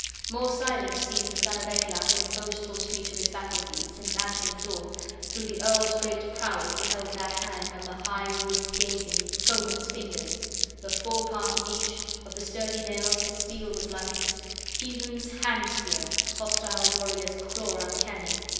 More silent seemed the son of Ecglaf {14a} in boastful speech of his battle deeds, since athelings all, through the earl's great prowess, beheld that hand, on the high roof gazing, foeman's fingers, the forepart of each of the sturdy nails to steel was likest, heathen's "hand spear," hostile warrior's claw uncanny.